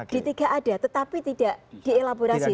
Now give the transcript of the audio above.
di tiga ada tetapi tidak dielaborasi